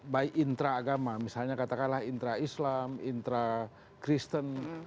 baik intraagama misalnya katakanlah intra islam intra kristen